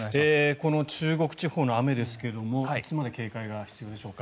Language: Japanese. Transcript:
この中国地方の雨ですがいつまで警戒が必要でしょうか。